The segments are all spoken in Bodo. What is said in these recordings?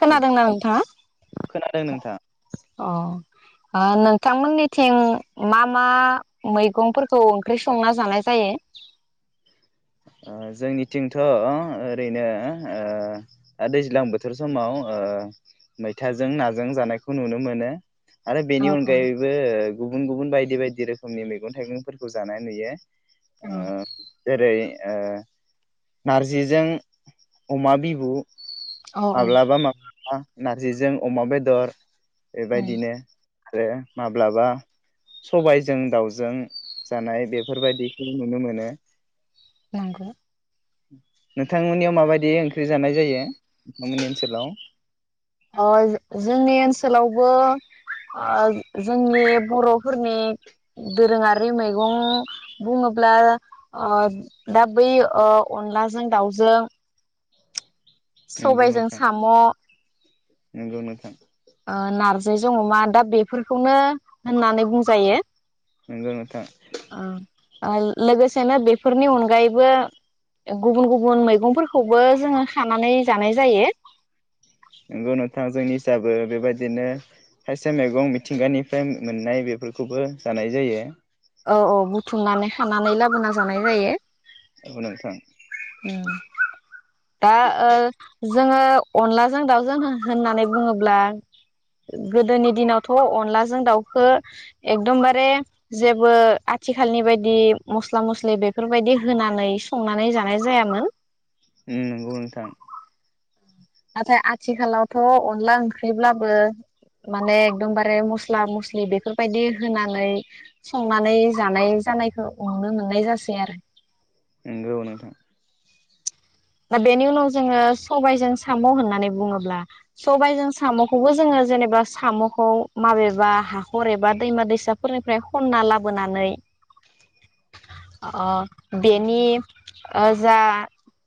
खोनादोंना नोंथाङा खोनादों नोंथां अ नोंथांमोननिथिं मा मा मैगंफोरखौ ओंख्रि संना जानाय जायो ओ जोंनिथिंथ' ओरैनो ओ ओ दैज्लां बोथोर समाव ओ मैथाजों नाजों जानायखौ नुनो मोनो आरो औ बेनि औ अनगायबो गुबुन गुबुन बायदि बायदि रोखोमनि मैगं थाइगंफोरखौ जानाय नुयो ओ जेरै ओ नारजिजों अमा बिबु औ औ माब्लाबा माबा नारजिजों अमा बेदर बेबायदिनो आरो माब्लाबा सबायजों दाउजों जानाय बेफोरबायदिखौ नुनो मोनो नंगौ नोंथांमोननियाव माबायदि ओंख्रि जानाय जायो नोंथांमोननि ओनसोलाव ओ जोंनि ओनसोलावबो ओ जोंनि बर'फोरनि दोरोङारि मैगं बुङोब्ला ओ दा बै ओ अनलाजों दाउजों नंगौ सबायजों नोंथां साम' नंगौ नोथां जों अमा दा बेफोरखौनो होननानै बुंजायो नंगौ नोंथां ओ ओ लोगोसेनो बेफोरनि अनगायैबो गुबुन गुबुन मैगंफोरखौबो जोङो खानानै जानाय जायो नोंगौ नोंथां जोंनि जाबो बेबायदिनो खायसे मैगं मिथिंगानिफ्राय मोननाय बेफोरखौबो जानाय जायो औ औ बुथुमनानै खानानै लाबोना जानाय जायो औ नोंथां ओ दा ओ जोङो अनलाजों दाउजों हो होननानै बुङोब्ला गोदोनि दिनावथ' अनलाजों दाउखो एकदमबारे जेबो आथिखालनि बायदि मस्ला मस्लि बेफोरबायदि होनानै संनानै जानाय जायामोन उम नंगौ नोंथां नाथाय आथिखालावथ' अनला ओंख्रिब्लाबो माने एकदमबारे मस मस्ला मस्लि बेफोरबायदि होनानै संनानै जानाय जानायखौ नुनो मोननाय जासै आरो नंगौ नोंथां दा बेनि उनाव जोङो सबायजों साम' होननानै बुङोब्ला सबायजों साम'खौबो जोङो जेनेबा साम'खौ माबेबा हाखर एबा दैमा दैसाफोरनिफ्राय खनना लाबोनानै ओ बेनि ओ जा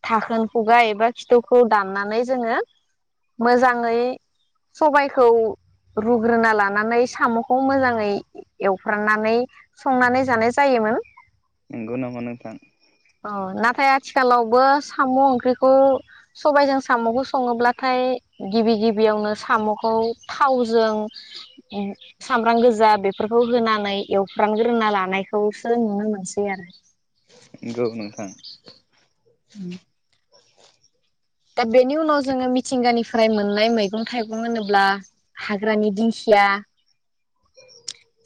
थाखोन खुगा एबा खिथौखौ दाननानै जोङो मोजाङै सबायखौ रुग्रोना लानानै साम'खौ मोजाङै एवफ्राननानै संनानै जानाय जायोमोन नंगौ नामा नोंथां? औ नाथाय आथिखालावबो साम' ओंख्रिखौ सबायजों साम'खौ सङोब्लाथाय गिबि गिबियावनो साम'खौ थावजों सामब्राम गोजा बेफोरखौ होनानै एवफ्रानग्रोना लानायखौसो नुनो मोनसै आरो औ नोंथां औ [inaudible] दा बेनि उनाव जोङो मिथिंगानिफ्राय मोननाय मैगं थाइगं होनोब्ला हाग्रानि दिंखिया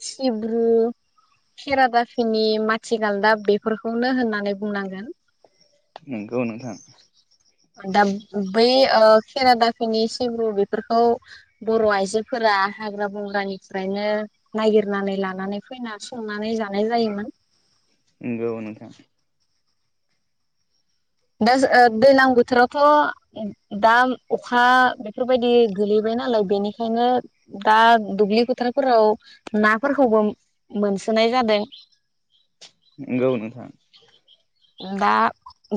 सिब्रु खेरादाफिनि माथि गालदाब बेफोरखौनो होननानै बुंनांगोन नंगौ नोंथां दा बै ओ खेरादाफिनि सिब्रु बेफोरखौ बर' आइजोफोरा हाग्रा बंग्रानिफ्रायनो नागिरनानै लानानै फैना संनानै जानाय जायोमोन नंगौ नोंथां दा ओ दैज्लां बोथोरावथ' दा अखा बेफोरबायदि गोलैबाय नालाय बेनिखायनो दा दुब्लि बोथोरफोराव नाफोरखौबो मोनसोनाय जादों नंगौ नोंथां। दा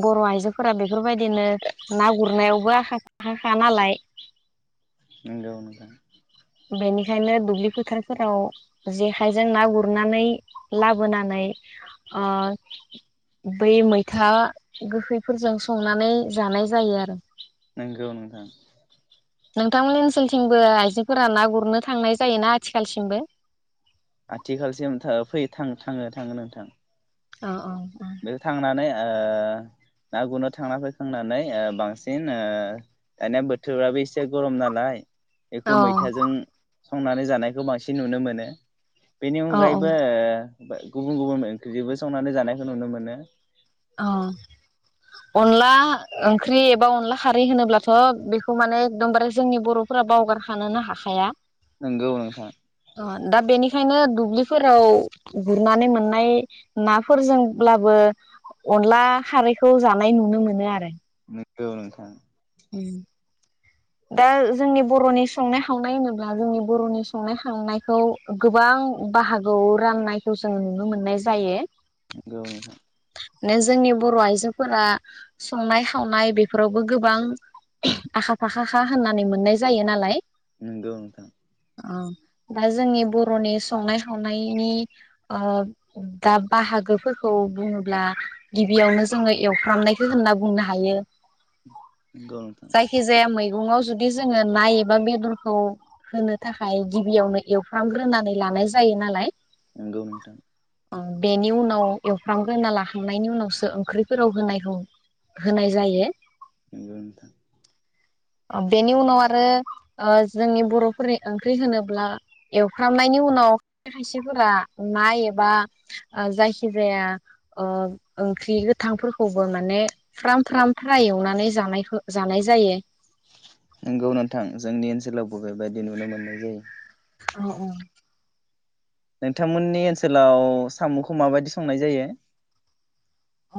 बर' आइजोफोरा बेफोरबायदिनो ना गुरनायावबो आखाफाखा नालाय नंगौ नोंथां बेनिखायनो दुब्लि फोथारफोराव जेखायजों ना गुरनानै लाबोनानै ओ बै मैथा गोखैफोरजों संनानै जानाय जायो आरो नंगौ नोंथां नोंथांमोननि ओनसोलथिंबो आइजोफोरा ना गुरनो थांनाय जायोना आथिखालसिमबो आथिखालसिम था फै थाङो थाङो नोंथां अ औ बेयाव थांनानै ओ ना गुरनो थांना फैखांनानै ओ बांसिन ओ दानिया बोथोराबो एसे गरम नालाय बेखौ औ मैथाजों संनानै जानायखौ बांसिन नुनो मोनो। बेनि औ अनगायैबो ओ गुबुन गुबुन ओंख्रिजोंबो संनानै जानाय नुनो मोनो औ अनला ओंख्रि एबा अनला खारै होनोब्लाथ' बेखौ माने एकदमबारे जोंनि बर'फोरा बावगारखानोनो हाखाया नंगौ नोंथां ओ दा बेनिखायनो दुब्लिफोराव गुरनानै मोननाय नाफोरजोंब्लाबो अनला खारैखौ जानाय नुनो मोनो आरो औ नोंथां ओम दा जोंनि बरनि संनाय खावनाय होनोब्ला जोंनि बर'नि संनाय खावनायखौ गोबां बाहागोआव राननायखौ जों नुनो मोननाय जायो नोंखौ नोथां ने जोंनि बर' आइजोफोरा संनाय खावनाय बेफोरावबो गोबां आखा-फाखा खा होननानै मोननाय जायो नालाय। नंगौ नोंथां ओ दा जोंनि बर'नि सु संनाय खावनायनि ओ दा बाहागोफोरखौ बुङोब्ला गिबियावनो जोङो एवफ्रामनायखौ होनना बुंनो हायो। नंगौ नोंथां जायखि जाया मै गङाव जुदि जोङो ना एबा बेदरखौ होनो थाखाय गिबियावनो एवफ्रामग्रोनानै लानाय जायो नालाय। नोंगौ नोंथां। अ बेनि उनाव एवफ्रामगोना लाखांनायनि उनावसो ओंख्रिफोराव होनायखौ होनाय जायो। नोंगौ नोंथां। बेनि उनाव आरो ओ जोंनि बर'फोरनि ओंख्रि होनोब्ला एवफ्रामनायनि उनाव खायसेफोरा ना एबा जायखिजाया ओ ओंख्रि गोथांफोरखौबो माने फ्राम-फ्राम फ्राय एवनानै जानायखौ जानाय जायो। नोंगौ नोंथां जोंनि ओनसोलावबो बेबायदि नुनो मोननाय जायो। औ औ। नोंथांमोननि ओनसोलाव साम'खौ माबायदि संनाय जायो?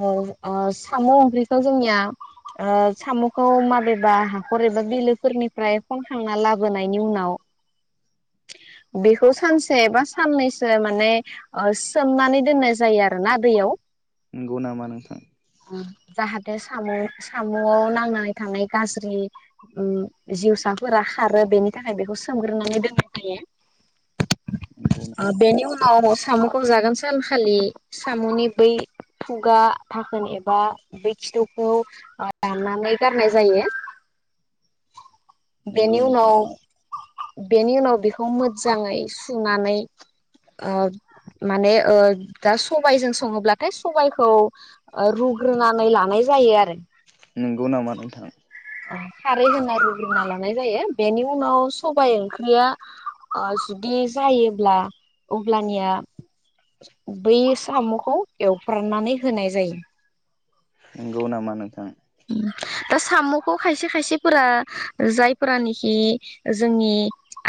औ ओ साम ओंख्रिखौ जोंनिया आ साम'खौ माबेबा हाखर एबा बिलोफोरनिफ्राय खनखांना लाबोनायनि उनाव बेखौ सानसे बा साननैसो माने ओ सोमनानै दोननाय जायो आरोना दैयाव। नंगौ नामा नोंथां ओं जाहाथे साम' साम'आव नांनानै थानाय गाज्रि ओ उम जिउसाफोरा खारो बेनि थाखाय बेखौ सोमग्रोनानै दोनो। [inaudible] नंगौ आ बेनो उनाव साम'खौ जागोन सानखालि साम'नि बै खुगा थाखोन एबा बे खिथुखौ दाननानै गारनाय जायो। बेनि नंगौ नोंथां उनाव बेनि उनाव बेखौ मोजाङै सुनानै ओ माने ओ दा सबाइजों सङोब्लाथाय सबाइखौ ओ रुग्रोनानै लानाय जायो आरो नोंगौ नामा नोंथां? खारै होना रुग्रोना लानाय जायो। बेनि उनाव सबाइ ओंख्रिया ओ जुदि जायोब्ला अब्लानिया बै साम'खौ एवफ्राननानै होनाय जायो। नोंगौ नामा नोंथां? दा साम'खौ खायसे खायसेफोरा जायफोरानिखि जोंनि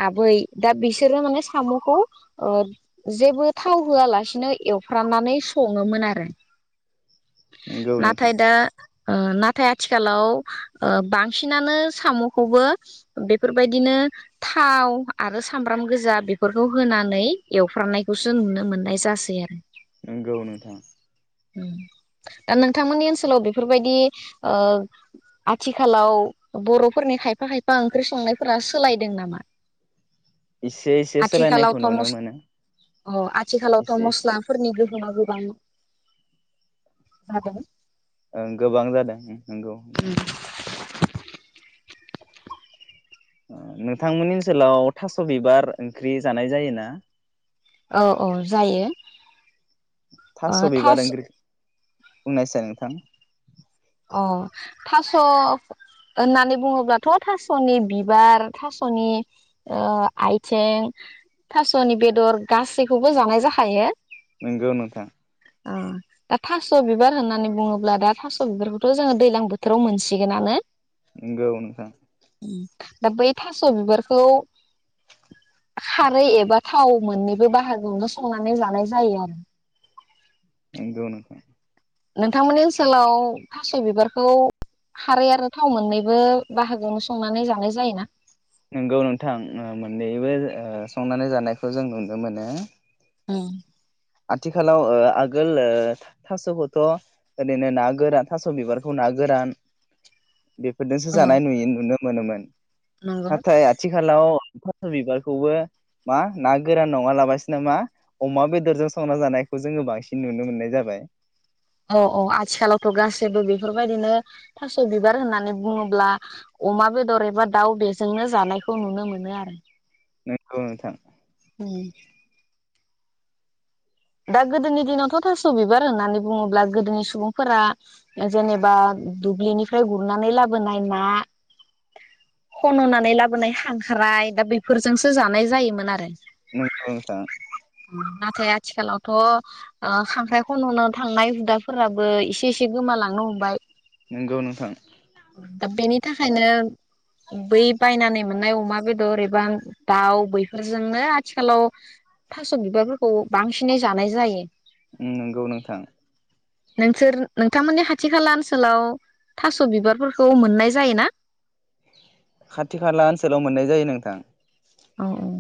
आबै दा बिसोरो माने साम'खौ ओ जेबो थाव होआलासिनो एवफ्रामनानै सङोमोन आरो नंगौ नोंथां नाथाय दा ओ नाथाय आथिखालाव ओ बांसिनानो साम'खौबो बेफोरबायदिनो थाव आरो सामब्राम गोजा बेफोरखौ होनानै एवफ्राननायखौसो नुनो मोननाय जासै आरो नंगौ नोंथां उम दा नोंथांमोननि ओनसोलाव बेफोर बेबायदि ओ आथिखालाव बर'फोरनि खायफा खायफा ओंख्रि संनायफोरा सोलायदों नामा? एसे एसे सोलायनायखौ आथिखालावथ' नुनो मस मोनो अ आथिखालावथ' एसे एसे मस्लाफोरनि गो समा गोबां जादों ओं गोबां जादों नोंगौ नोंथां। ओ नोंथांमोननि ओनसोलाव थास' बिबार ओंख्रि जानाय जायोना? औ औ जायो। थास' बिबार ओंख्रि बुंनायसाय नोंथां। अ थास' होननानै बुङोब्लाथ' थास'नि बिबार थास'नि ओ आइथें थास'नि बेदर गासैखौबो जानाय जाखायो। नोंगौ नोंथां। आ दा थास' बिबार होननानै बुङोब्ला दा थास' थास बिबारखौथ' जोङो दैज्लां बोथोराव मोनसिगोनानो। नोंगौ नोंथां। दा बै थास' बिबारखौ खारै एबा थाव मोननैबो बाहागोआवनो संनानै जानाय जायो आरो नोंगौ नोंथां नोंथांमोननि ओनसोलाव थास' बिबारखौ खारै आरो थाव मोननैबो बाहागोआवनो संनानै जानाय जायोना? नोंगौ नोंथां ओ मोननैबो ओ संनानै जानायखौ जों नुनो मोनो। ओं आथिखालाव ओ आगोल ओ थास'खौथ' ओरैनो ना गोरान थास' बिबारखौ ना गोरान बेफोरदोंसो औ जानाय नुयो नुनो मोनोमोन। नंगौ नाथाय आथिखालाव थास' बिबारखौबो मा ना गोरान नङा लाबासिनो मा अमा बेदरजों स संना जानायखौ जोङो बांसिन नुनो मोननाय जाबाय। औ औ आथिखालावथ' गासैबो बेफोरबायदिनो थास' बिबार होननानै बुङोब्ला अमा बेदर एबा दाउ बेजोंनो जानायखौ नुनो मोनो आरो नोंगौ नोंथां। [unintelligible] दा गोदोनि दिनावथ' थास' बिबार होननानै बुङोब्ला गोदोनि सुबुंफोरा जेनेबा दुब्लिनिफ्राय गुरनानै लाबोनाय ना खन'नानै लाबोनाय खांख्राय दा बेफोरजोंसो जानाय जायोमोन आरो। नोंगौ नोंथां नाथाय आ थिखालावथ' ओ खांख्राइ खन'नो थांनाय हुदाफोराबो एसे एसे गोमालांनो हमबाय। नंगौ नोंथां दा बेनि थाखायनो बै बायनानै मोननाय अमा बेदर एबा दाउ बैफोरजोंनो आथिखालाव थास' बिबारफोरखौ बांसिनै जानाय जायो। उम नोंगौ नोंथां। नोंसोर नोंथांमोननि खाथि खाला ओनसोलाव थास' बिबारफोरखौ मोननाय जायो ना? खाथि-खाला ओनसोलाव मोननाय जायो नोंथां। औ औ।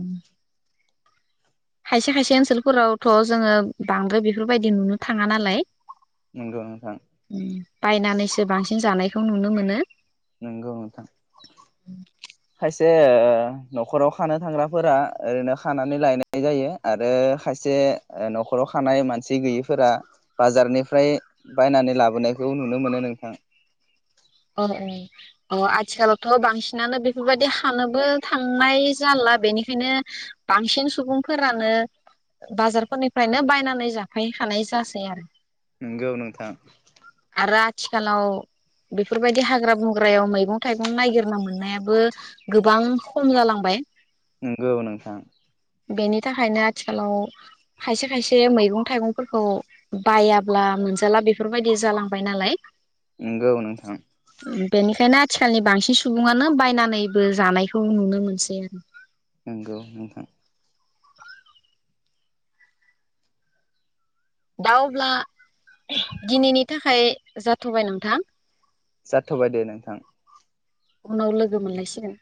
खायसे-खायसे ओनसोलफोरावथ' जोङो बांद्राय बेफोरबायदि नुनो थाङा नालाय नोंगौ नोंथां। बायनानैसो बांसिन जानायखौ नुनो मोनो। नोंगौ नोंथां खायस से ओ न'खराव खानो थांग्राफोरा ओरैनो खानानै लायनाय जायो आरो खायसे न'खराव खानाय मानसि गैयैफोरा बाजारनिफ्राय बायनानै लाबोनायखौ नुनो मोनो नोंथां। औ औ अ आथिखालावथ' बांसिनानो बेफोरबायदि हानोबो थांनाय जाला बेनिखायनो बांसिन सुबुंफोरानो बाजारफोरनिफ्रायनो बायनानै जाफायखानाय जासै आरो। नोंगौ नोथां। थिखालाव बेफोरबायदि हाग्रा बंग्रायाव मैगं-थाइगं नायगिरना मोननायाबो गोबां खम जालांबाय। नोंगौ नोंथां। बेनि थाखायनो आथिखालाव खायसे खायसे मैगं-थाइगंफोरखौ बायाब्ला मोनजाला बेफोरबायदि जालांबाय नालाय नंगौ नोंथां बिनिखायनो थिखालनि बांसिन सुबुङानो बायनानैबो जानायखौ नुनो मोनसै आरो। नोंगौ नोंथां दा अब्ला दिनैनि थाखाय जाथ'बाय नोंथां जाथ'बाय दे नोंथां उनाव लोगो मोनलायसिन